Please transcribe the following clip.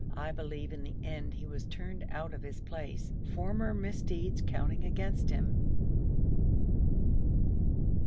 I believe in the end he was turned out of his place, former misdeeds counting against him.